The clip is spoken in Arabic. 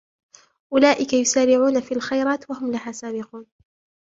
أولئك يسارعون في الخيرات وهم لها سابقون